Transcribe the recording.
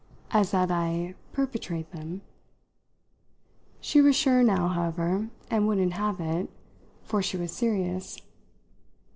"As that I perpetrate them?" She was sure now, however, and wouldn't have it, for she was serious.